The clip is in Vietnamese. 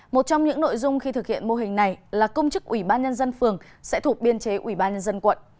một trong những nội dung khi thực hiện mô hình này là công chức ủy ban nhân dân phường sẽ thuộc biên chế ủy ban nhân dân quận